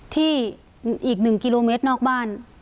ที่อีก๑กิโลเมตรนอกบ้าน